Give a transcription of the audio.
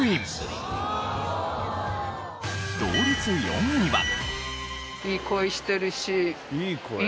同率４位は。